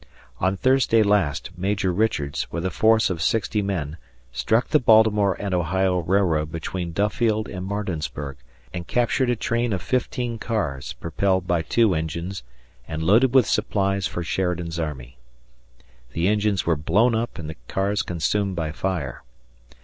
On Thursday last, Major Richards, with a force of sixty men, struck the Baltimore and Ohio Railroad between Duffield and Martinsburg, and captured a train of fifteen cars propelled by two engines and loaded with supplies for Sheridan's army. The engines were blown up and the cars consumed by fire.